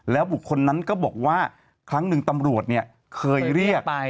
บุคคลนั้นก็บอกว่าครั้งหนึ่งตำรวจเนี่ยเคยเรียก